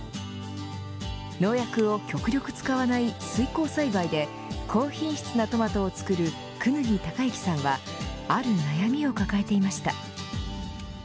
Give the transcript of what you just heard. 農薬を極力使わない水耕栽培で高品質なトマトを作る功刀隆行さんはある悩みを抱えていました。